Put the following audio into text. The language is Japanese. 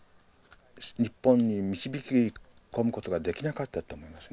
日本に導き込むことができなかったと思いますね。